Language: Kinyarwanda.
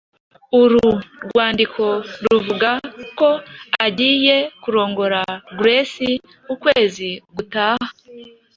Uru rwandiko ruvuga ko agiye kurongora Grace ukwezi gutaha.